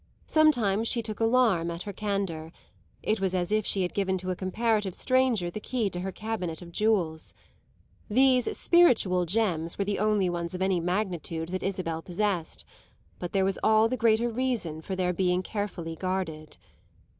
Sometimes she took alarm at her candour: it was as if she had given to a comparative stranger the key to her cabinet of jewels. These spiritual gems were the only ones of any magnitude that Isabel possessed, but there was all the greater reason for their being carefully guarded.